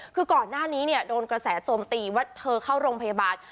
คือก่อนหน้านี้เนี่ยโดนกระแสโจมตีว่าเธอเข้าโรงพยาบาล